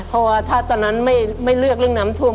เพราะว่าถ้าตอนนั้นไม่เลือกเรื่องน้ำท่วม